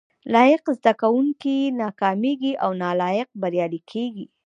لایق زده کوونکي ناکامیږي او نالایق بریالي کیږي